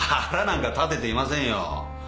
腹なんか立てていませんよ。